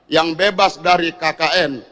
yang bebas dari kkn